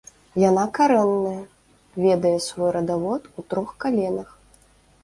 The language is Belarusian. Яна карэнная, ведае свой радавод у трох каленах.